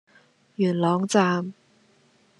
元朗站